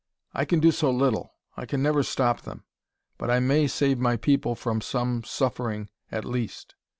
I can do so little; I can never stop them; but I may save my people from some suffering at least.